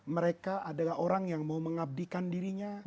mereka adalah orang yang mau mengabdikan dirinya